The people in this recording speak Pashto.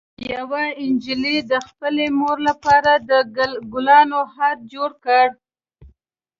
یوه نجلۍ د خپلې مور لپاره د ګلانو هار جوړ کړ.